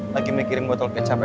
lagi mikirin botol kecap ya